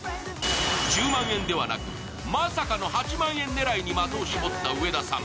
１０万円ではなく、まさかの８万円狙いに的を絞った上田さん。